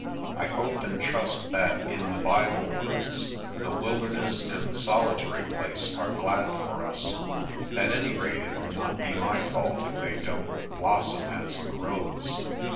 I hope and trust that, in the Bible words, c the wilderness and the solitary place are glad for us.' At any rate it will not be my fault if they don't 'blossom as the rose.'